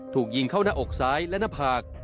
ถูกยิงเข้าหน้าอกซ้ายและหน้าผาก